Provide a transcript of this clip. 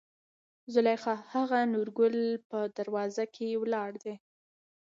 زليخا : هغه نورګل په دروازه کې ولاړ دى.